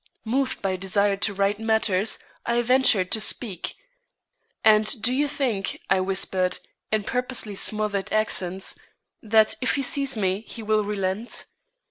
Moved by a desire to right matters, I ventured to speak: "And do you think," I whispered, in purposely smothered accents, "that if he sees me he will relent?"